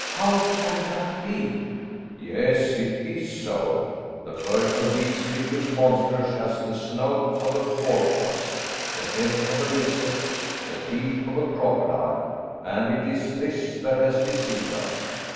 "How can that be?" "Yes, it is so. The first of these hideous monsters has the snout of a porpoise, the head of a lizard, the teeth of a crocodile; and it is this that has deceived us.